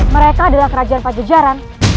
mereka adalah kerajaan pajajaran